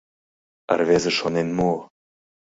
Рвезе шонен муо.